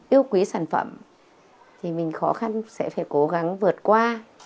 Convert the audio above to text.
yêu quý sản phẩm thì mình khó khăn sẽ phải cố gắng vượt qua